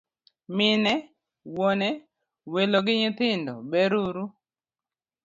Mine, wuone, welo gi nyithindo ber uru?